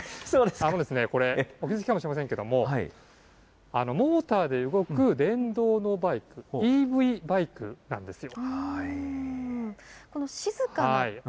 これ、お気付きかもしれませんけれども、モーターで動く電動のバイク、ＥＶバイクなんですよ。